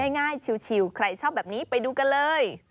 ง่ายชิวใครชอบแบบนี้ไปดูกันเลย